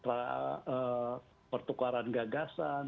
ada pertukaran gagasan